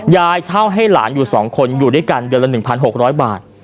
ยายเช่าให้หลานอยู่สองคนอยู่ด้วยกันเดือนละหนึ่งพันหกร้อยบาท